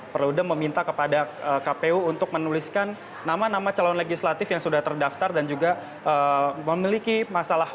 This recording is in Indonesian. perludem meminta kepada kpu untuk menuliskan nama nama calon legislatif yang sudah terdaftar dan juga memiliki masalah